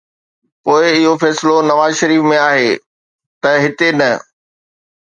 پوءِ اهو فيصلو نواز شريف ۾ آهي ته هتي نه.